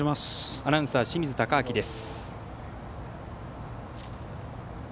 アナウンサーは清水敬亮です。